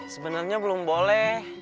sebenarnya belum boleh